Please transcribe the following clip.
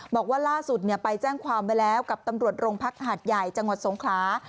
บอกว่าล่าสุดไปแจ้งความไว้แล้วกับตำรวจโรงพักหาดใหญ่จังหวัดสงขลา